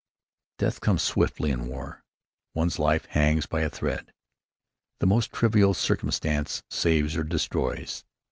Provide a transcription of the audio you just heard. Death comes swiftly in war. One's life hangs by a thread. The most trivial circumstance saves or destroys.